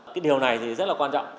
cái điều này thì rất là quan trọng